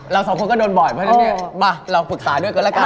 เรา๒คนก็โดนบ่อยเพราะว่ามาเราปรึกษาด้วยกันละกัน